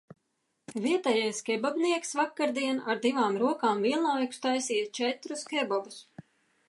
Vietējais kebabnieks vakardien ar divām rokām vienlaikus taisīja četrus kebabus.